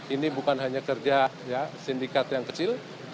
ini bukan hanya kerja sindikat yang kecil